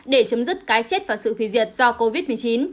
để chấm dứt cái chết và sự phi diệt do covid một mươi chín